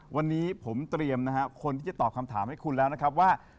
วันนี้ผมเตรียมนะฮะคนที่จะตอบคำถามให้คุณแล้วนะครับว่า